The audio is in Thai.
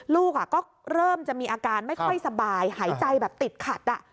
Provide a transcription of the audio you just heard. ลูกก็เริ่มจะมีอาการไม่ค่อยสบายหายใจแบบติดขัด